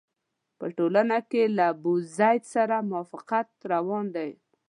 په ټولنه کې له ابوزید سره موافقت روان وو.